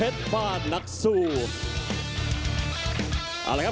สวัสดีทุกคน